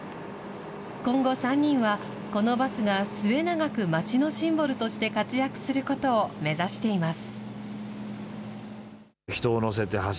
今後３人は、このバスが末永く町のシンボルとして活躍することを目指しています。